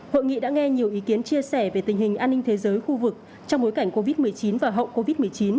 hội nghị đã nghe nhiều ý kiến chia sẻ về tình hình an ninh thế giới khu vực trong bối cảnh covid một mươi chín và hậu covid một mươi chín